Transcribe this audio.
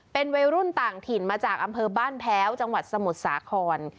เป็นวัยรุ่นต่างถิ่นมาจากอำเภอบ้านแพ้วจังหวัดสมุทรสาคร